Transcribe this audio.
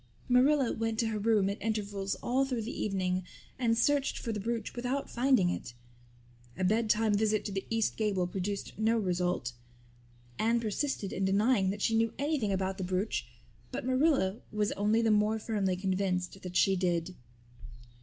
Marilla went to her room at intervals all through the evening and searched for the brooch, without finding it. A bedtime visit to the east gable produced no result. Anne persisted in denying that she knew anything about the brooch but Marilla was only the more firmly convinced that she did.